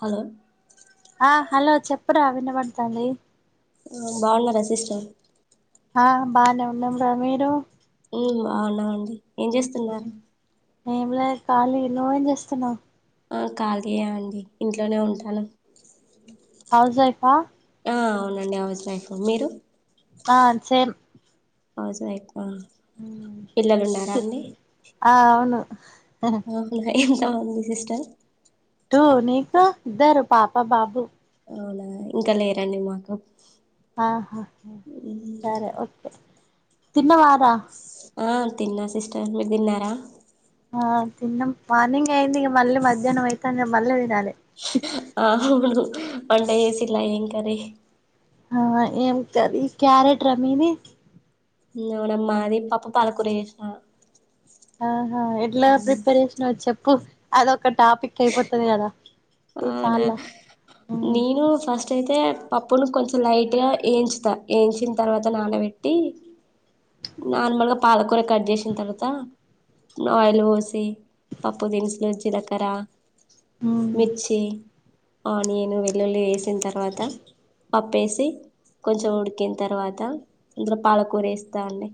Hello ఆ hello చెప్పురా వినబడ్తాంది. బాగున్నారా సిస్టర్ ఆ బానే ఉన్నాం రా మీరూ బాగున్నాం అండి ఏం చేస్తున్నార్ ఏం లేద్ కాలి నువ్వేం చేస్తున్నావ్ ఆ ఖాళీయే అండి ఇంట్లోనే ఉంటాను హౌస్ వైఫా ఆ అవునండి హౌస్ వైఫ్ మీరు ఆ సేమ్ హౌస్ వైఫ్ ఆ, పిల్లలు ఉన్నారా ఆ అవును. [inaudible] ఎంత మంది సిస్టర్ టూ నీకు ఇద్దరు పాప, బాబు. అవునా ఇంక లేరండి మాకు ఆ హ మ్మ్. సరే ఓకే. తిన్నవారా. ఆ తిన్నా సిస్టర్ మీరు తిన్నారా ఆ తిన్నం మార్నింగ్ అయింది ఇగ మళ్ళీ మధ్యాహ్నం అయితంది ఇగ మళ్ళ తినాలె ఆ అవును వంట చేసిన్ల ఏం కర్రీ ఆ ఏం కర్రీ క్యారెట్రా మీది అవునమ్ మాది పప్పు పాలకూర చేసిన ఆ ఆ ఎట్ల ప్రిపేర్ చేసినవ్ చెప్పు అదో ఒక్క టాపిక్ అయిపోతది కదా ఈ అవునా కాల్ల నేను ఫస్ట్ టై అయితే పప్పును కొంచెం లైట్గా ఏంచుతా ఏంయించిన్ తర్వాత నానబెట్టి నార్మల్గా పాలకూర కట్ జేసిన్ తర్వాత ఆయిల్ పోసి పప్పు దినుసులు జీలకర్ర మిర్చి ఆనియన్, వెల్లుల్లి ఏసిన్ తర్వాత పప్పేసి కొంచం ఉడికిన్ తర్వాత అందులో పాలకూర ఎస్తా అండి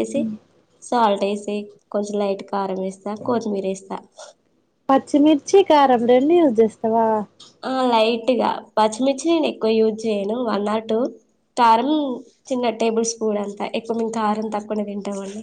ఏసి సాల్ట్ ఏ కొంచెం లైట్ కారం ఏస్తా కొత్తిమీర్ ఏస్తా పచ్చిమిర్చి, కారం రెండు యూస్ చేస్తవా ఆ లైట్గా పచ్చిమిర్చి నేను ఎక్కువ యూజ్ చేయను. వన్ ఆర్ టూ కారం చిన్న టేబుల్ స్పూన్ అంతా ఎక్కువ మేం కారం తక్కువనే తింటాం అండి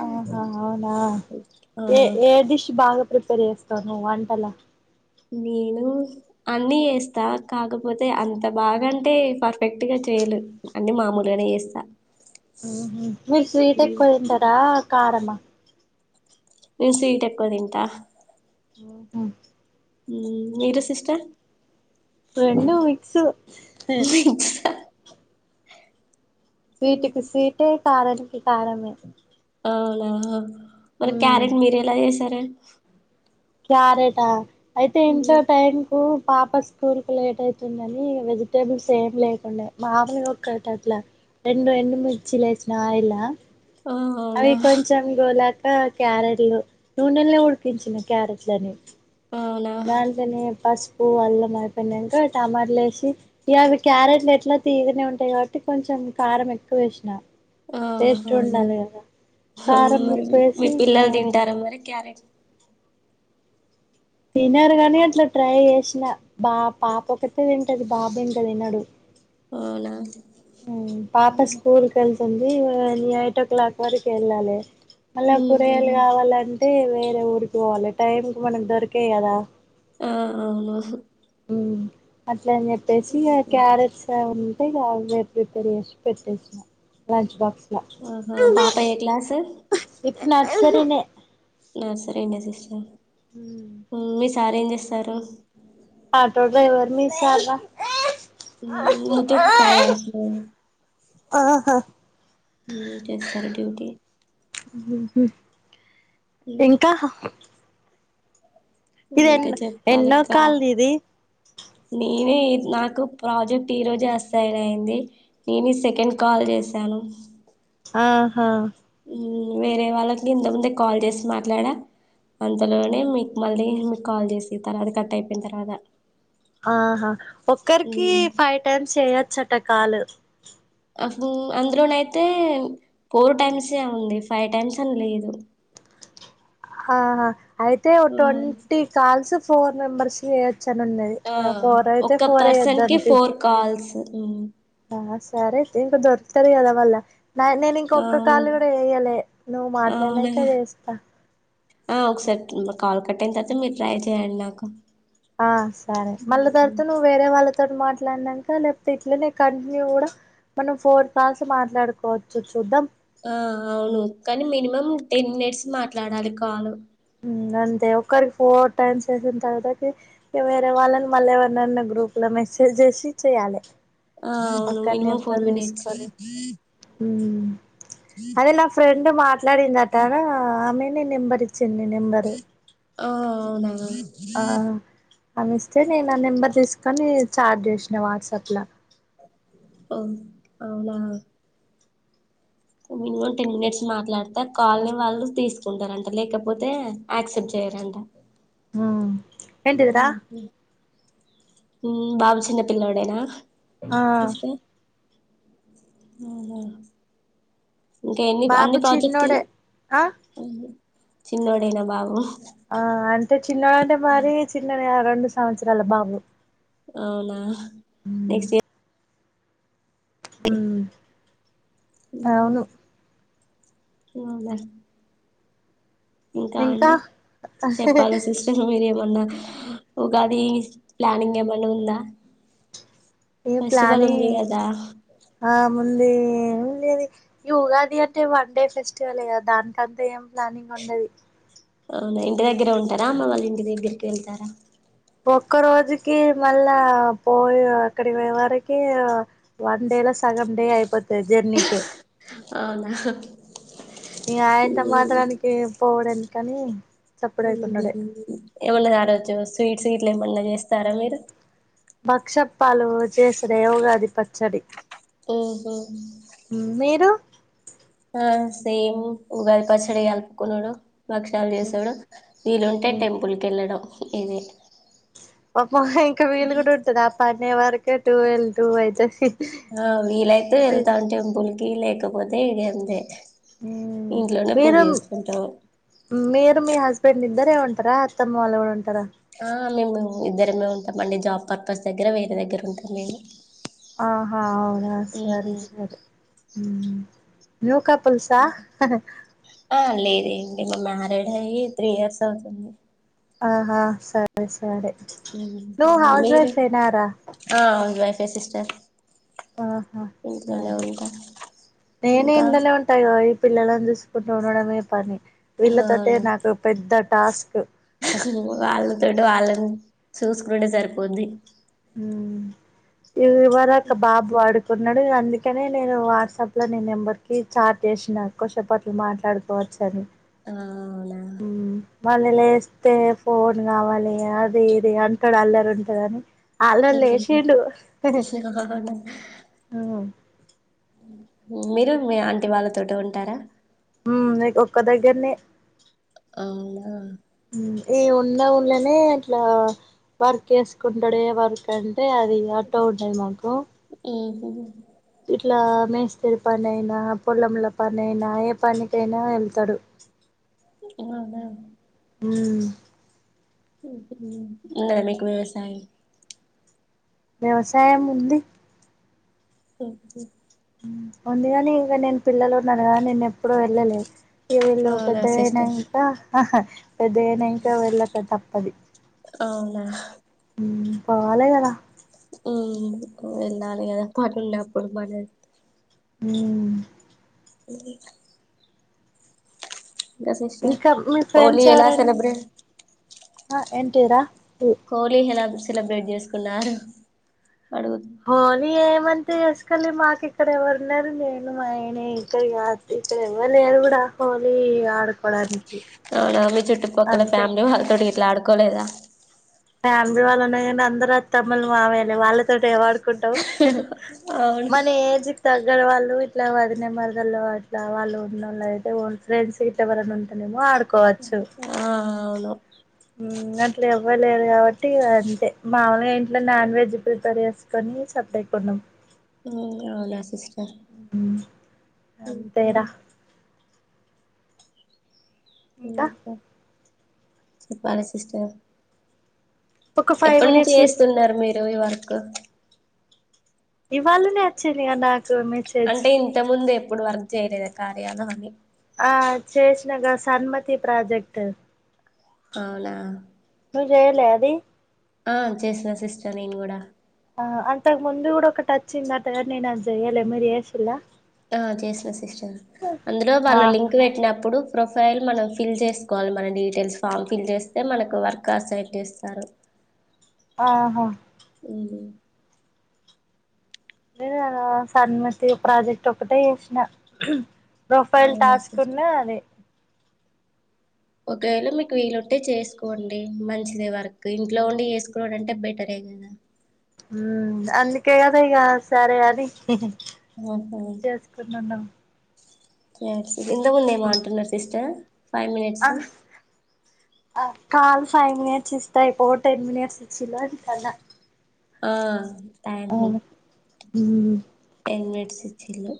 ఆహా అవునా ఏ ఏదిష్ భాగా ప్రిపేర్ చేస్తాను వంటలా నేను అన్నీ ఏస్తా కాకపోతే అంత బాగాంటే పర్ఫెక్ట్ గా చేయలు అన్ని మామూలుగానే ఏస్తా మీరు స్వీట్ ఎక్కువ తంటారా కారమా నన్ స్వీట్ ఎక్కదింటా మ్హ్ ఉం మీరు సిస్టర్ రెండూ మిక్స్ మిక్సా స్వీటుకి స్వీటే కారం ఇ కారమే అవునా మరి మ్మ్ క్యారెట్ మీర్ ఎలా చేసారు క్యారేటా అయితే ఏంచ టైం పు పాప స్కూల్ కు లేట్ అవుతుందని వెజిటేబుల్స్ ఏమి లేకుండే మామలుగా ఒకట అట్లా రెండు ఎండుమిర్చి లేసిన ఆయిలా ఆ అవునా అవి కొంచెం గోలా ఆ క్యారెట్లు నూనెలో ఉడికించిన క్యారెట్లని అవునా నన్ తనే పస్ పువ అల్లం అయిపోయినాక టమాటలు వేసి ఇఅవి క్యారెట్లు ఎట్లా తియ్యగానే ఉంటాయి కాబట్టి కొంచెం కారం ఎక్కువ వేసినా ఆ అవునా కారం మరి మీ ఉప్పేసి ఆ పిల్లలు తింటారా మరి క్యారెట్ తినరు గని అట్లా ట్రై చేసిన బా పాప ఒకటే తింటది బాబు ఇంకా తినడు ఆవునా పాప స్కూల్ కలి స్తుంది న ఎయిట్ ఓ క్లాక్ వరకు ఎళ్ళాలె అళ్ళ కూరగాయలు కావాలం అంటే వేరే ఊరికి పోవాలి టైంకు మనకి దొరకయి గదా ఆ అవును ఉం ఇట్లా అని చెప్పేసి ఇ క్యారెట్స్ ఉ అవే ప్రిపేర్ చేసి పెట్టేసిన లంచ్ బాక్స్ లా ఆహా పాప ఏ క్లాస్ సరేనే నర్సరీనే సిస్టర్ ఉమ్, మీ సార్ ఏం సరు ఆటో డ్రైవర్ మీ సార్ రా ముత్తూట్ ఫైనాన్స్ ఆహా మ్మ్ చేస్తారు డ్యూటీ హ్మ్ ఉమ్, ఇంకా ఇది ఎన్ ఇంకా చెప్పాలి ఎన్నో కాల్ నీది ఇది నాకు ప్రాజెక్ట్ ఈరోజే అసైన్ అయింది నేను సెకండ్ కాల్ చేశాను ఆహా వేరే వాళ్ళకి ఇంత ముందే కాల్ చేసి మాట్లాడా అంతలోనే మీకు మళ్ళీ మీకు కాల్ చేసి తర్వాత కట్ అయిపోయిన తర్వాత ఆహా ఒక్కరికి ఉమ్. ఫైవ్ టైమ్స్ చేయొచ్చట కాలు అబ్బో అందులోన అయితే ఫోర్ టైమ్సే ఉంది ఫైవ్ టైమ్స్ అని లేదు హా అయితే ఓ ఉమ్. ట్వంటీ కాల్స్ ఫోర్ మెంబర్స్ చేయచ్ చనున్నది ఆ అయితే ఫోర్ అయితే ఫోర్ ఏ చేద్దాం తీ మ్మ్ ఆ సరేతే ఇంకా దొరుకుతాది కదా వాళ్ళ నేను ఇంకొక్క అవును కాళ్ కూడా చేయ్యలే నువ్వు అవునా మాట్లాడినాక చేస్తా ఆ ఒకసారి కింద కాల్ కట్టయిన తర్వాత మీరు ట్రై చేయండి నాకు ఆ సరే మళ్ళ హ్మ్. తర్వాత నువ్వు వేరే వాళ్ళ తోని మాట్లాడినాక లేకపోతే ఇట్లనే కంటిన్యూ కూడా మనం ఫోర్ కాల్స్ మాట్లాడుకోవచ్చు చూద్దాం ఆ అవును కానీ మినిమం టెన్ మినిట్స్ మాట్లాడాలి కాల్ మ్మ్ అంతే ఒకరికి ఫోర్ టైమ్స్ వేసిన తర్వాతకి వేరే వాళ్ళని మళ్ళ ఎవరన్న గ్రూప్ లో మెసేజ్ చేసి చేయ్యాలె ఆ అవును మినిమం ఫోర్ మినిట్స్ అమ్ అదేలా ఫ్రె కింద మార్ మాట్లాడిందతనా ఆమె నేన్ నెంబర్ ఇస్ చిన్ని నెంబరు ఆ అవునా ఆ ఆలిస్తే ఇస్తే నేను ఆ నెంబర్ తీసుకొని చాట్ చేసినా వాట్సాప్ ల ఓ అవులా మినిమం టెన్ మినిట్స్ మాట్లాడితే కాల్ ని వాళ్ళు తీసుకుంటారంట లేకపోతే యాక్సెప్ట్ చెయ్యరంట మ్మ్ ఉమ్ బాబు చిన్న పిల్లడేనా ఆ సిస్టర్ ఉహుమ్ ఇంకా ఎన్ని బాబు అన్ని ప్రాజెక్ట్లు చిన్నోడే ఆ చిన్నోడేనా బాబు ఆ అంటే చిన్నడు అంటే మరి చిన్నడు రెండు సంవత్సరాల బాబు అవునా నెక్స్ట్ ఇయర్ హమ్ అవును [unintelligible] ఇంకా అండి చెప్పాలి సిస్టర్ మీరే మొన్న ఉగాది ప్లానింగ్ ఏమైనా ఉందా మి ఫెస్టివల్ ఉంది ప్లానింగ్ కదా ఆ ముంది ఏమి లేదు ఈ ఉగాది అంటే వన్ డే ఫెస్టివల్ గదా దానికంతా ఏం ప్లానింగ్ ఉండదదు అవునా ఇంటి దగ్గరే ఉంటారా అమ్మ వాళ్ళ ఇంటి దగ్గరికి వెళ్తారా ఒక్క రోజుకి మళ్ళా పోయి అక్కడి వరకి వన్ డే లో సగం డే అయిపోదీ జర్నీకె అవునాఆహ్ మీ ఆయంత మాత్రానికి పోవడండి కనీ ఏమున్నాయ్‌ రోజు స్వీట్స్ లేమన్న జెస్తారా మీరు భక్ష పాలు చేసదే ఉగాది పచ్చడి ఓహొ మీరు ఆ సేమ్ ఉగారి పచ్చడి కలుపుకోవడం భక్షాల్ జేస్తడు వీలుుంటే టెంపుల్కెళ్ళడం ఇదే ఇంకా వీలు కూడా ఉంటుదా పనే వరకె టూ వెల్ టూ అయితే ఆ వీలైతే వెళ్తాన్ టెంపుల్ కి లేక ఇక పోతే ఇడియా అందే మీరుమ్ మీరు మీ హస్బెండ్ ని ఇద్దరే ఉంటరా అత్త మామలు కూడా ఉంటారా ఆ మేము ఇద్దరమే ఉం ఏమండి జాబ్ పర్పస్ దగ్గర వేరే దగ్గర ఉంటుంది మీరు ఆహా అవునా సరే ఉహు సరే నూక పులుసా హా లేదే ఏంటి మా మ్యారేడ్ అయ్యి త్రీ ఇయర్స్ అవుతుంది ఆహా సరె సరే నువ్వు హౌస్ మీరె వైఫేనారా ఆ అవును వైఫ్ రెసిస్టర్ ఆహా సరే నేనే ఇంకా ఇండ్లలో ఉంటా గదా పిల్లలన్ జూసుకుంట ఉండడమే పని వీళ్ళతోటె నాకు పెద్ద టాస్క్ వాళ్తో వాళ్ళం చూసుకుంటే సరిపోద్ది మ్ ఇ ఇవరాక బాబు అడుకు అన్నాడు అందుకనే నేను వాట్సాప్లో ని నెంబర్కి చార్ట్ చేసిన కొసేపాట్ల మాట్లాడుకోవచ్చు అని అవునా ఉ మళ్ళీ లేస్తే ఫోన్ కావాలి అది ఇది అంటాడు అల్లరు ఉంటుందని అలా ఉహు. లేశిండు అవునా మీరు మీ ఆంటి వాళ్ళతోటి ఉంటారా నీకు ఒక్క దగ్గరనే అవునా ఈ ఉన్నవుళ్ళనే ఇట్లా వర్క్ వేసుకుంటాడే వర్క్ అంటే అది అట ఉంటుది మాకు మ్ ఇట్లా మేస్తరి పని అయినా పొలములో పని అయినా ఏ పనికైనా వెళ్తాడు అదా మ్ మీకు వ్యవసాయం వ్యవసాయం ఉంది [inaudible] ఉంది కాని ఇంక నేను పిల్లలు ఉన్నా కదా నేను ఎప్పుడూ వెళ్ళలే వీళ్ళు అవునా సిస్టర్ పెద్దనయికా పెద్దాయినాక వెళ్ళక తప్పది అవునా పవాలి కదా మ్ వెళ్ళాలి కదా హ ఇ ఇంకా సిస్టర ఇంకా మీ హోలీ ఫ్రెండ్స్ ఎలా ఎవరన్ సెలబ్రేట్ ఆ ఎంటిీరా హోలీ సె సెలబ్రేట్ చేసు కునన్నారు హోలీ ఏం మంతా చేసుకోలే మాకు ఇక్కడ ఎవ్వరు ఉన్నారు నేను మాయన ఇక్కడ కాదు ఇక్కడ ఎవ్వరులేరు కూడా హోలీ ఆడుకోవడానికి. అ చుట్ట్ట పక్కల అంతే ఫమిలీ వల్తోటి గిట్ల అడు కొలేదా ఫ్యామిలీ వాళ్లనేగాని అందారు వత్ తమ్ములు మామయ్య లే వాళ్ళతో ఎవడు. కుంటవు అవును మన ఏజ్. తగ్గర వాళ్ళు ఇట్లా వదిన మరదల్లో అట్లా వాళ్ళు ఉన్నోళ్లు అయితే వా ఫ్రెండ్స్ ఇట్లా ఎవరైనా ఉంటేనేమో ఆడు. ఆ అవును. అట్లా ఏవ్వలేరూ కాబట్టి అంటే మామలుగా ఇంట్లో నాన్ వెజ్ ప్రిపేర్ చేసుకొని చప్పేకున్నాం. అవునా సిస్ అంతే రా ఇంకా చెప్పాలి సిస్టర్. ఒక ఫైవ్ ఎప్పుడు నుంచి మినిట్స్ చేస్తున్నారు మీరు ఈ వర్క్? ఇవాళనే వచ్చిండ్రు కదా అక్ అంటే ఇంత ముందే ఏ ప్పుడు వర్క్ చేయద కార్యాలన్నీ. ఆ చేసినగా సన్మతి ప్రాజెక్ట్ అవునా నువ్వు చేయలే అది. ఆ చేసిన సిస్టర్ నేను కూడా ఆ అంతగ్ ముందు కూడా ఓక్క ట వచ్చిందిఅటకథ నేను అది జయాలే మీరు వేసిలా. ఆ చేసిన సిస్టర్ అందులో వాళ్ళు ఆహా లింక్ పెట్టినప్పుడు. ప్రొఫైల్ మనం ఫిల్ చేసుకోవాలి మన డీటెయిల్స్ ఫామ్ ఫిల్ చేస్తే మనకు వర్క్ అసైన్ చేస్తారు. ఆహా. హు. లేదు సనుమతి ప్రాజెక్ట్ ఒకటే చేసిన. ప్రొఫైల్ అవునా సిస్టర్ దాచుకున్నా అది. ఒకవేళ మీకు వీలుంటే చేసుకోండి మంచిదే వర్క్ ఇంట్లో ఉండి చేసుకున్నాడంంటే బెటరే కదా. అందుకే కదా ఇక సరే అనీ. చేసుకున్నాన్నా. ఎస్ ఇంతకు ముందు ఏమో అంటున్నారు sister. Five minutes call five minutes ఇస్తాయి పో టెన్ మినిట్స్ ఇచ్చిలో అకన్నా. ఆ. థాంక్యూ. హు. ఇన్వేడ్స్ ఈచిండ్లు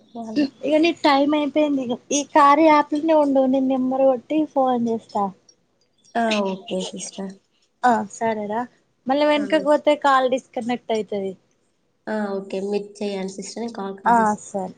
ఇ టైమ్యి యింది ఈ కార్య యాప్లనే ఉండేవ్ నేను నెంబర్ కొట్టి ఫోన్ చేస్తా ఆ ఓకే సిస్టర్ ఆ సరేరా మల్ల ఆ వెనకకి ఓ- పోతే కాల్ డిస్ కనెక్ట్ అయితది ఓకే మీట్ చేయసి ఆ సరే